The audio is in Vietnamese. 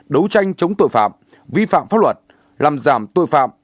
đấu tranh chống tội phạm vi phạm pháp luật làm giảm tội phạm